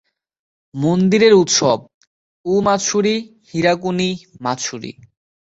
মন্দিরের উৎসব: উ-মাতসুরি, হিরাকুনি-মাতসুরি।